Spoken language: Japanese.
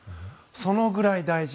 そのぐらい大事。